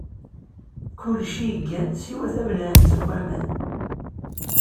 Kulci yeggan siwa tabenɛammet d waman.